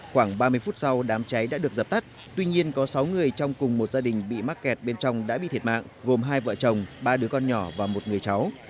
khoảng ba mươi phút sau đám cháy đã được dập tắt tuy nhiên có sáu người trong cùng một gia đình bị mắc kẹt bên trong đã bị thiệt mạng gồm hai vợ chồng ba đứa con nhỏ và một người cháu